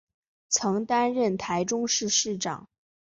曾担任台中市市长。